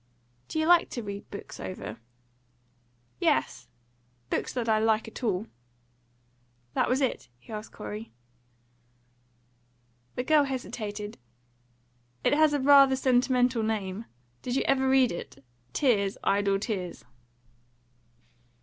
"Do you like to read books over?" "Yes; books that I like at all." "That was it?" asked Corey. The girl hesitated. "It has rather a sentimental name. Did you ever read it? Tears, Idle Tears."